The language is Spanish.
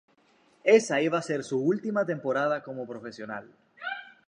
Esa iba a ser su última temporada como profesional.